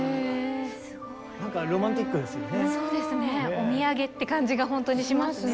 お土産って感じがほんとにしますね。